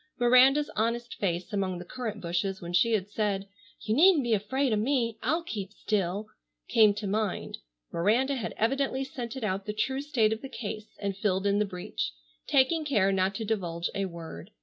Miranda's honest face among the currant bushes when she had said, "You needn't be afraid of me, I'll keep still," came to mind. Miranda had evidently scented out the true state of the case and filled in the breach, taking care not to divulge a word.